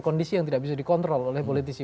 kondisi yang tidak bisa dikontrol oleh politisi